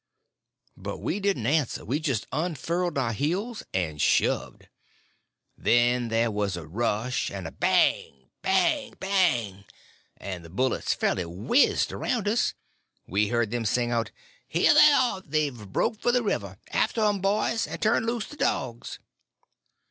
But we didn't answer; we just unfurled our heels and shoved. Then there was a rush, and a bang, bang, bang! and the bullets fairly whizzed around us! We heard them sing out: "Here they are! They've broke for the river! After 'em, boys, and turn loose the dogs!"